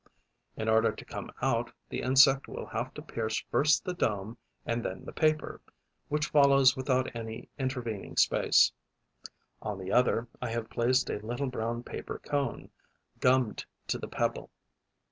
In order to come out, the insect will have to pierce first the dome and then the paper, which follows without any intervening space. Over the other, I have placed a little brown paper cone, gummed to the pebble.